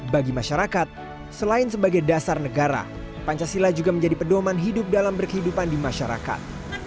bagi masyarakat selain sebagai dasar negara pancasila juga menjadi pedoman hidup dalam berkehidupan di masyarakat